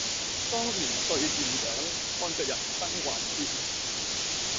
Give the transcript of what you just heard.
當年歲漸長，看著人生幻變